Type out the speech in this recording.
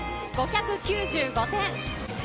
５９５点。